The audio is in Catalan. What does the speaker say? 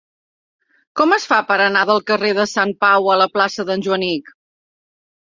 Com es fa per anar del carrer de Sant Pau a la plaça d'en Joanic?